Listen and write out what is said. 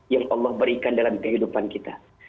yang allah berikan dalam kehidupan kita